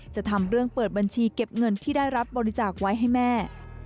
จะทำเรื่องเปิดบัญชีเก็บเงินที่ได้รับบริจาคไว้ให้แม่